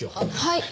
はい。